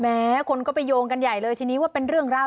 คนก็ไปโยงกันใหญ่เลยทีนี้ว่าเป็นเรื่องราว